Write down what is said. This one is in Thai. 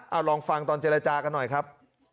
เอาลองฟังตอนเจรจากันหน่อยครับ